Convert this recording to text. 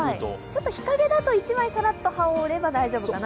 ちょっと日陰だと１枚さらっと羽織れば大丈夫かなと。